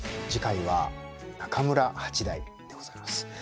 次回は中村八大でございます。